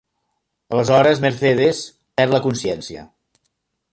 Aleshores Mercedes perd la consciència.